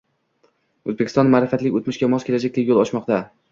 O‘zbekiston ma’rifatli o‘tmishga mos kelajakka yo‘l ochmoqda!